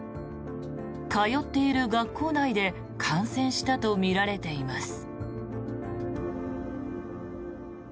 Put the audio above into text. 通っている学校内で感染したとみられています。